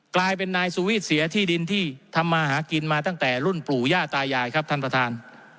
กลายเป็นนายสุวิทย์เสียที่ดินที่ทำมาหากินมาตั้งแต่รุ่นปู่ย่าตายายครับท่านประธาน